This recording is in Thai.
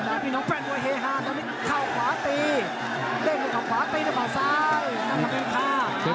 เข้าขวาตีเล่นของขวาตีด้วยขวาซ้าย